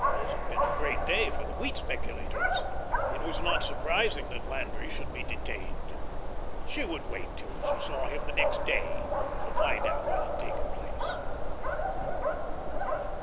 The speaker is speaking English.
This had been a great day for the wheat speculators. It was not surprising that Landry should be detained. She would wait till she saw him the next day to find out all that had taken place.